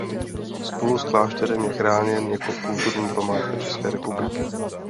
Spolu s klášterem je chráněn jako kulturní památka České republiky.